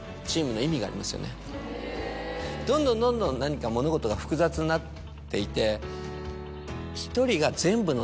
どんどんどんどん何か物事が複雑になっていて。